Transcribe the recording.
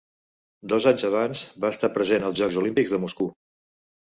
Dos anys abans, va estar present als Jocs Olímpics de Moscou.